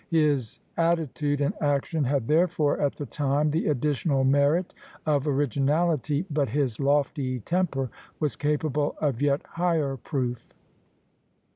His attitude and action had therefore at the time the additional merit of originality, but his lofty temper was capable of yet higher proof.